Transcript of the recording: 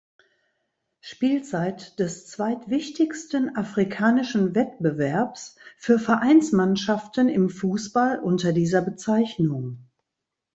Spielzeit des zweitwichtigsten afrikanischen Wettbewerbs für Vereinsmannschaften im Fußball unter dieser Bezeichnung.